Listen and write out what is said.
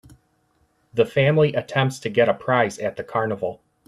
The family attempts to get a prize at the carnival.